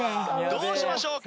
どうしましょう？